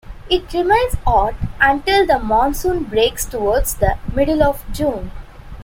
It remains hot until the monsoon breaks towards the middle of June.